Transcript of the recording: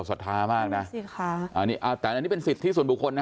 สัทธามากน่ะนี่สิค่ะอ่านี่อ่าแต่อันนี้เป็นสิทธิ์ที่ส่วนบุคคลนะฮะ